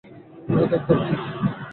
এটা একদম ঠিক।